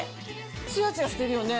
ツヤツヤしてるよね